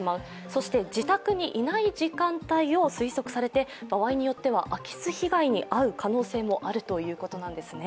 そして自宅にいない時間帯を推測されて、場合によっては空き巣被害に遭うということもあります。